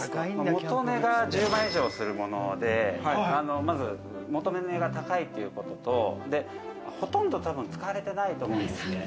元値が１０万円以上するもので、元値が高いということと、ほとんど多分使われてないと思うんです。